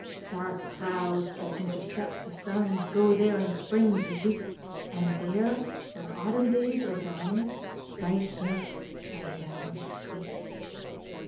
Dark clouds that intercept the sun Go there in Spring to weep, And there, when Autumn days are done, White mists lie down to sleep.